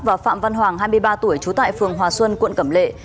và phạm văn hoàng hai mươi ba tuổi trú tại phường hòa xuân quận cẩm lệ